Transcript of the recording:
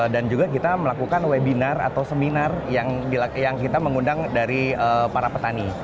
dan juga kita melakukan webinar atau seminar yang kita mengundang dari para petani